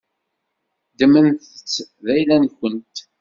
Ddmemt-tt d ayla-nkent.